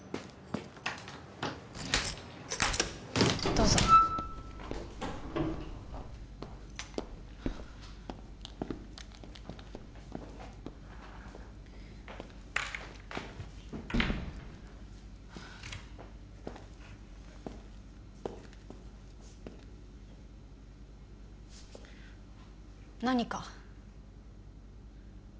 どうぞ何か？